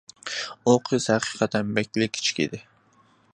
ئۇ قىز ھەقىقەتەن بەكلا كىچىك ئىدى.